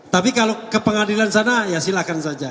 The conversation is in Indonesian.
tapi kalau ke pengadilan sana ya silahkan saja